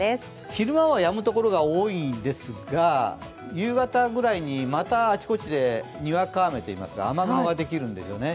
昼間はやむところが多いですが夕方ぐらいにまたあちこちでにわか雨といいますか雨雲ができるんでしょうね、